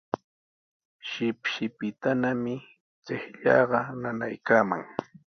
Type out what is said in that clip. Shipshipitanami chiqllaaqa nanaykaaman.